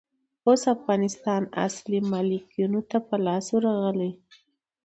اوس افغانستان اصلي مالکينو ته په لاس ورغلئ.